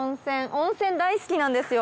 温泉大好きなんですよ。